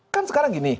kan sekarang gini